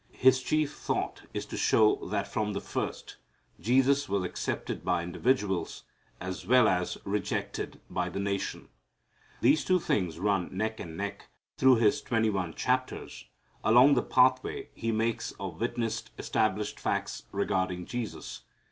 His chief thought is to show that from the first Jesus was accepted by individuals as well as rejected by the nation. These two things run neck and neck through his twenty one chapters, along the pathway he makes of witnessed, established facts regarding Jesus.